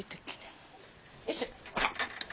よいしょ。